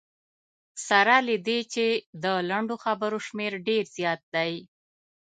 سره له دې چې د لنډو خبرو شمېر ډېر زیات دی.